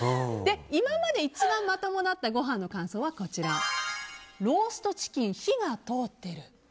今まで一番まともだったごはんの感想はローストチキン火が通っている。